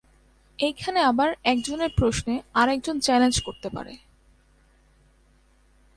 এইখানে আবার এক জনের প্রশ্নে আরেকজন চ্যালেঞ্জ করতে পারে।